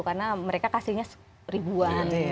karena mereka kasihnya ribuan